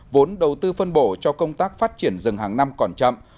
vốn đầu tư phân bổ cho công tác phát triển rừng hàng năm còn chậm